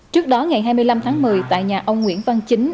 trước đó ngày hai mươi năm tháng một mươi tại nhà ông nguyễn văn chính